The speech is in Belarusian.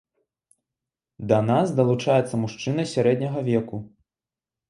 Да нас далучаецца мужчына сярэдняга веку.